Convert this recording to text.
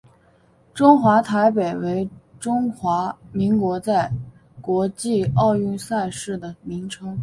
中华台北为中华民国在国际奥运赛事的名称。